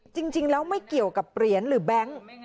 จริงแล้วไม่เกี่ยวกับเหรียญหรือแบงค์